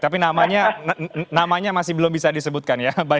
tapi namanya masih belum bisa disebutkan ya